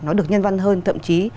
nó được nhân văn hơn thậm chí